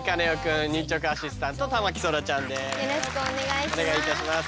よろしくお願いします。